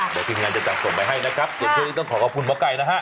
เดี๋ยวพิมพ์งานจะจัดส่งไปให้นะครับเดี๋ยวพี่ต้องขอขอบคุณมไก่นะฮะ